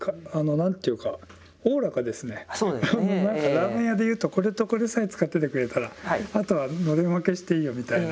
ラーメン屋で言うとこれとこれさえ使っててくれたらあとはのれん分けしていいよみたいな。